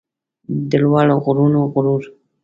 د لوړو غرونو غرور